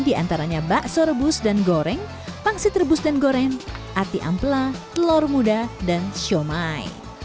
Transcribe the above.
di antaranya bakso rebus dan goreng pangsit rebus dan goreng ati ampela telur muda dan siomay